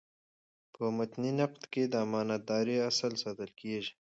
په متني نقد کي د امانت دارۍاصل ساتل کیږي.